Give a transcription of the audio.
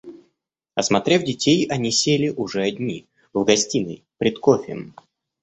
Осмотрев детей, они сели, уже одни, в гостиной, пред кофеем.